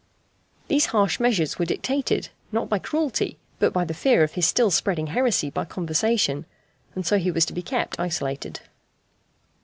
These harsh measures were dictated, not by cruelty, but by the fear of his still spreading heresy by conversation, and so he was to be kept isolated.